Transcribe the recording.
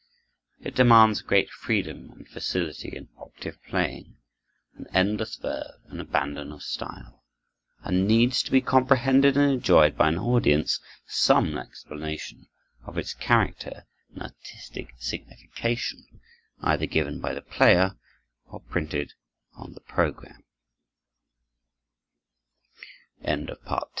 It demands great freedom and facility in octave playing, and endless verve and abandon of style; and needs, to be comprehended and enjoyed by an audience, some explanation of its character and artistic signification, either given by the player or printed on the program. WEBER 1786 1826